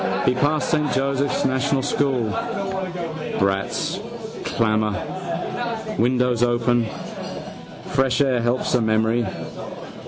He passed Saint Joseph's National school. Brats' clamour. Windows open. Fresh air helps memory.